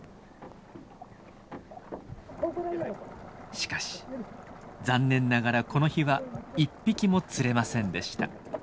しかし残念ながらこの日は１匹も釣れませんでした。